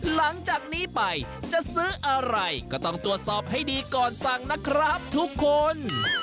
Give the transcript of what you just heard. หลังจากนี้ไปจะซื้ออะไรก็ต้องตรวจสอบให้ดีก่อนสั่งนะครับทุกคน